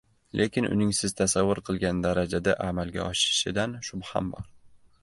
Lekin uning Siz tasavvur qilgan darajada amalga oshishidan shubham bor.